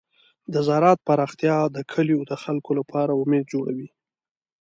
د زراعت پراختیا د کلیو د خلکو لپاره امید جوړوي.